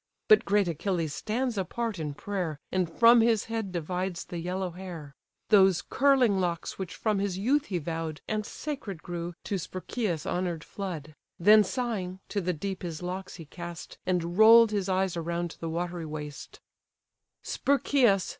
But great Achilles stands apart in prayer, And from his head divides the yellow hair; Those curling locks which from his youth he vow'd, And sacred grew, to Sperchius' honour'd flood: Then sighing, to the deep his locks he cast, And roll'd his eyes around the watery waste: "Sperchius!